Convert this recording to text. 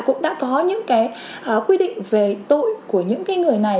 cũng đã có những cái quy định về tội của những người này